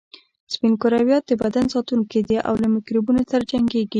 سپین کرویات د بدن ساتونکي دي او له میکروبونو سره جنګیږي